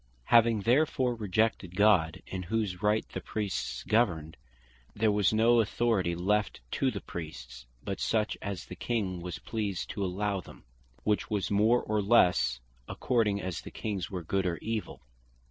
Having therefore rejected God, in whose Right the Priests governed, there was no authority left to the Priests, but such as the King was pleased to allow them; which was more, or lesse, according as the Kings were good, or evill.